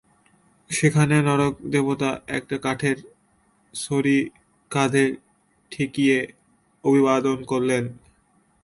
সেখানে নরক দেবতা একটা কাঠের ছড়ি কাঁধে ঠেকিয়ে অভিবাদন করলেন।